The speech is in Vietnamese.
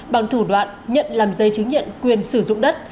bằng thủ đoạn nhận làm giấy chứng nhận quyền sử dụng đất